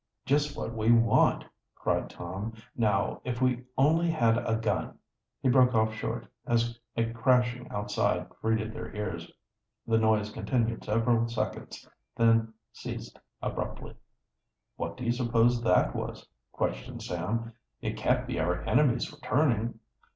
"Just what we want!" cried Tom. "Now, if we only had a gun " He broke off short, as a crashing outside greeted their ears. The noise continued several seconds, then ceased abruptly. "What do you suppose that was?" questioned Sam. "It can't be our enemies returning."